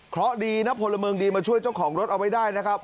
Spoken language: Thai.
เพราะดีนะพลเมืองดีมาช่วยเจ้าของรถเอาไว้ได้นะครับ